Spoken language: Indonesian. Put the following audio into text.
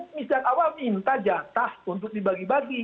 misalnya awal minta jatah untuk dibagi bagi